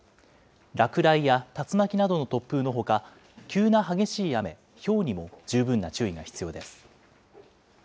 落雷や竜巻などの突風のほか、急な激しい雨、ひょうにも十分な注意が必要です。